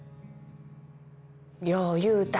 よう言うた。